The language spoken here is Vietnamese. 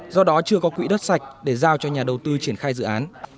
do đó chưa có quỹ đất sạch để giao cho nhà đầu tư triển khai dự án